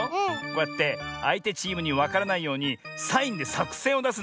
こうやってあいてチームにわからないようにサインでさくせんをだすんだね。